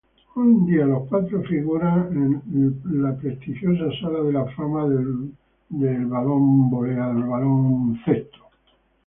Hoy en día, los cuatro figuran en el prestigioso Basketball Hall of Fame.